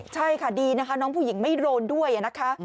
ใช่ค่ะดีนะคะน้องผู้หญิงไม่โดนด้วยนะคะ